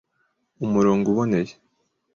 umurongo uboneye